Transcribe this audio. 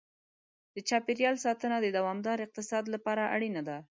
د چاپېریال ساتنه د دوامدار اقتصاد لپاره اړینه ده.